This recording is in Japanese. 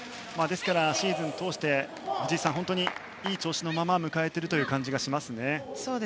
ですから、シーズン通して藤井さん、いい調子のまま迎えているという感じがしますね。